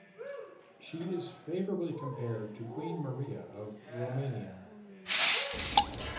She is favourably compared to Queen Maria of Romania.